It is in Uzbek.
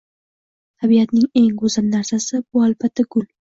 Tabiatning eng guzal narsasi bu albatta gul.